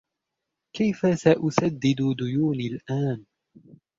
كيفَ سأسدد ديونى الآن ؟